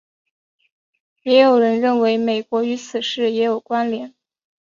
也有人认为美国与此事也有关连。